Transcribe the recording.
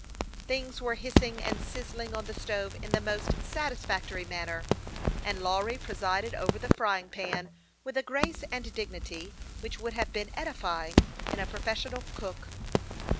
Things were hissing and sizzling on the stove in the most satisfactory manner, and Lawry presided over the frying pan with a grace and dignity which would have been edifying in a professional cook.